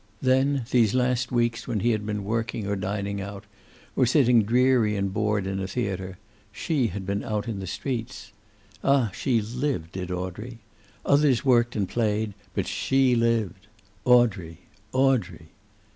Then, these last weeks, when he had been working, or dining out, or sitting dreary and bored in a theater, she had been out in the streets. Ah, she lived, did Audrey. Others worked and played, but she lived. Audrey! Audrey!